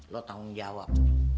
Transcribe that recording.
lu tanggung jawab